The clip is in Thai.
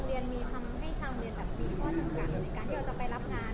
ในการที่เราจะไปรับงานข้างนอกอะไรอย่างนี้ไหมครับ